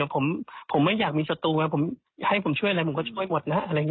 ผมไม่อยากมีชตูให้ผมช่วยอะไรผมก็ช่วยหมดนะ